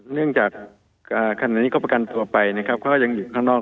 เนื่องจากขณะนี้ก็ประกันตัวไปนะครับเขาก็ยังอยู่ข้างนอก